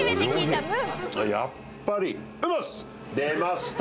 やっぱり。出ました。